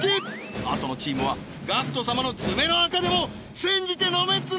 あとのチームはＧＡＣＫＴ様の爪のあかでも煎じて飲めっつうの！